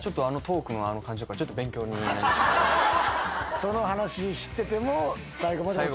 「その話知ってても」